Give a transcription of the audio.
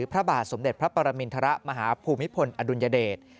พระบาทสมเด็จพระปรมินทรมาฮภูมิพลอดุลยเดช